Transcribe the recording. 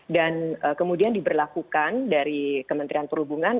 dan kemudian diberlakukan dari kementerian perhubungan